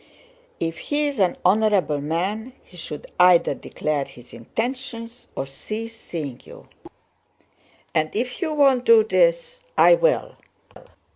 "If he is an honorable man he should either declare his intentions or cease seeing you; and if you won't do this, I will.